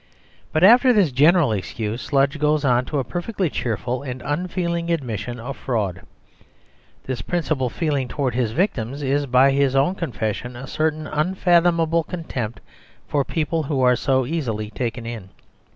But after this general excuse, Sludge goes on to a perfectly cheerful and unfeeling admission of fraud; this principal feeling towards his victims is by his own confession a certain unfathomable contempt for people who are so easily taken in.